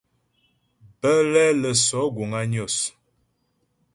Bə́lɛ lə́ sɔ̌ guŋ á Nyos.